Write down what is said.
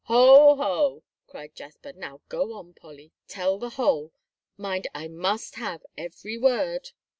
"Hoh! Hoh!" cried Jasper, "now go on, Polly, tell the whole mind I must have every word."